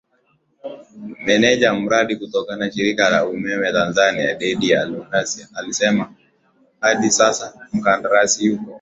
meneja mradi kutoka shirika la umeme Tanzania Didas Lyamuya alisema hadi Sasa mkandarasi Yuko